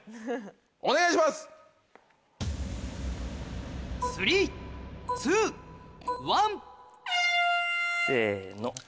お願いします！せの。